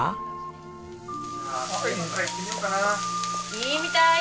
いいみたい。